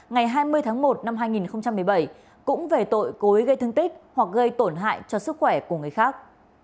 ngày hai mươi tháng một năm hai nghìn một mươi bảy cũng về tội cố ý gây thương tích hoặc gây tổn hại cho sức khỏe của người khác